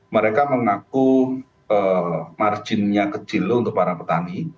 mereka mengaku marginnya kecil untuk para petani